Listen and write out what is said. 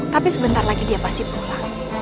tapi sebentar lagi dia pasti pulang